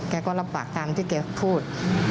ก็รับปากตามที่แกพูด